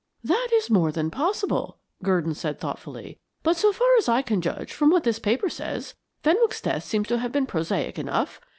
"That is more than possible," Gurdon said, thoughtfully; "but so far as I can judge from what this paper says, Fenwick's death seems to have been prosaic enough.